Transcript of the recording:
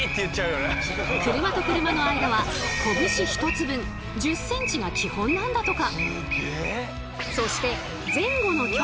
車と車の間は拳ひとつ分１０ｃｍが基本なんだとか。